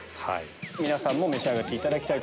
皆さんも召し上がっていただきます。